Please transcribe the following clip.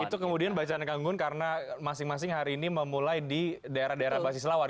itu kemudian bacaannya kang gun karena masing masing hari ini memulai di daerah daerah basis lawan